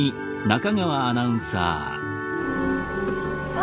あ